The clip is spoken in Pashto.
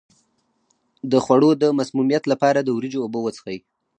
د خوړو د مسمومیت لپاره د وریجو اوبه وڅښئ